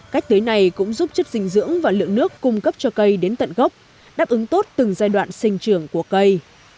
cách tưới này cũng giúp chất dinh dưỡng và lượng nước cung cấp cho cây đến tận gốc đáp ứng tốt từng giai đoạn sinh trường của cây